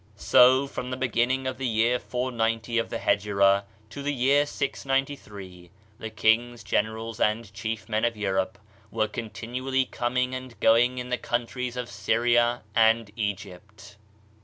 So, from the beginning of the year 490 of Hegira to the year 693, the kings, generals and chief men of Europe were continually coming and going in the countries of Syria and Egypt.